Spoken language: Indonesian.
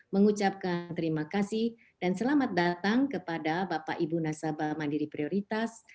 mengucapkan terima kasih dan selamat datang kepada bapak ibu nasabah mandiri prioritas